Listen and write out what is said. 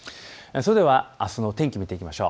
それでは、あすの天気を見ていきましょう。